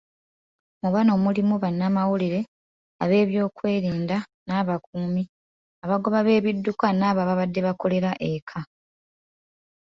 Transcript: Mu bano mulimu bannamawulire, ab'ebyokwerinda, n'abakuumi, abagoba b'ebidduka n'abo ababadde bakolera eka.